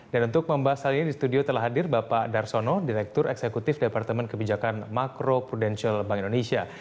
dan untuk membahas hal ini di studio telah hadir bapak darsono direktur eksekutif departemen kebijakan makro prudensial bank indonesia